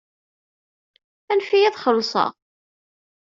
Anef-iyi ad xelṣeɣ.